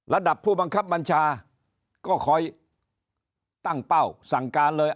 ระดับผู้บังคับบัญชาก็คอยตั้งเป้าสั่งการเลย